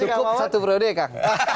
cukup satu periode kang